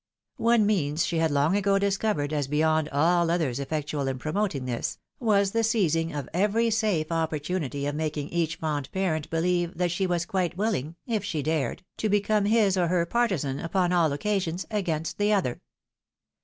One means which she had long ago discovered, as beyond aU others effectual in promoting this, was the seizing of every 74 THE WIDOW MARRIED. safe opportunity of making each fond parent believe that she was quite willing, if she dared, to become his or her partisan, upon all occasions, against the other.